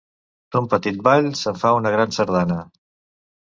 D'un petit ball se'n fa una gran sardana.